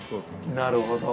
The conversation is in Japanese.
なるほど。